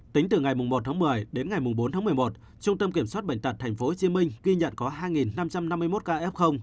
tính từ ngày một tháng một mươi đến ngày bốn tháng một mươi một trung tâm kiểm soát bệnh tật tp hcm ghi nhận có hai năm trăm năm mươi một ca f